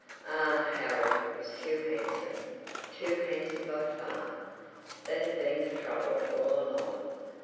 Ah, Harold was too handsome, too handsome by far; that had been the trouble all along.